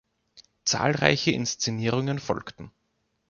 Zahlreiche Inszenierungen folgten.